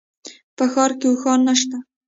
په ښار کي اوښان نشته